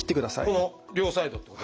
この両サイドってことですか？